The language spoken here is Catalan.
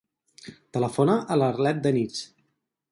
Telefona a l'Arlet Deniz.